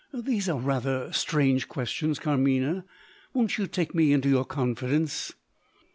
These are rather strange questions, Carmina. Won't you take me into your confidence?"